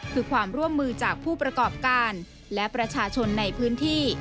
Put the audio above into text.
คือความร่วมมือจากผู้ประกอบการและประชาชนในพื้นที่